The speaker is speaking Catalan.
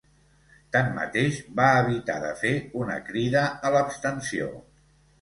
Tanmateix, va evitar de fer una crida a l’abstenció.